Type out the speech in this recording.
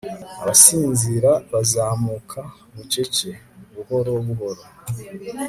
abasinzira bazamuka bucece. buhoro buhoro